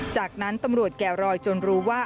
จากนั้นตำรวจแก่รอยจนรู้ว่า